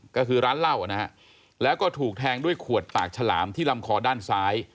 ก็คือร้านเหล้านะฮะแล้วก็ถูกแทงด้วยขวดปากฉลามที่ลำคอด้านซ้าย